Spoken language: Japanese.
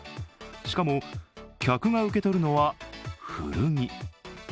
しかも、客が受け取るのは古着。